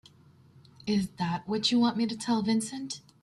Is that what you want me to tell Vincent?